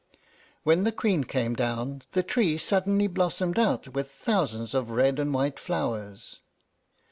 When the Queen came down, the tree suddenly blossomed out with thousands of red and white flowers.